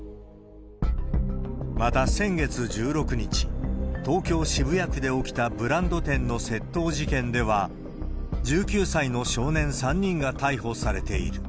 また、先月１６日、東京・渋谷区で起きたブランド店の窃盗事件では、１９歳の少年３人が逮捕されている。